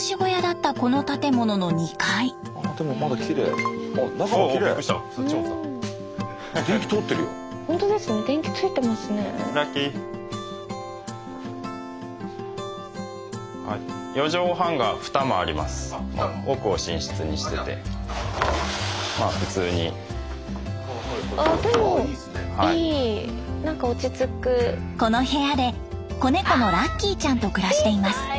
この部屋で子猫のラッキーちゃんと暮らしています。